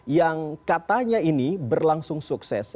yang katanya ini berlangsung sukses